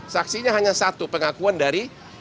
saksinya hanya satu pengakuan dari